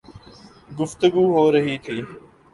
گفتگو ہو رہی تھی